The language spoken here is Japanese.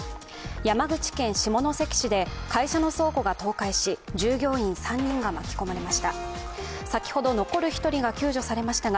山口県下関市で会社の倉庫が倒壊し従業員３人が巻き込まれました。